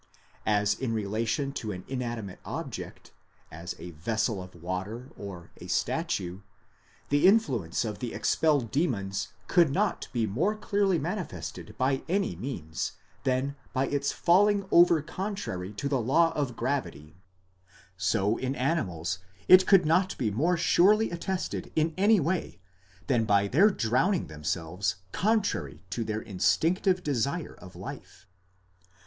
As in relation to an inanimate object, as a vessel of water or a statue, the influence of the expelled demons could not be more clearly manifested by any means, than by its falling over contrary to the law of gravity ; so in animals it could not be more surely attested in any way, than by their drowning themselves contrary to their instinctive desire of life.